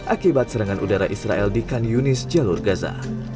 akibat serangan udara israel di kanionis jalur gaza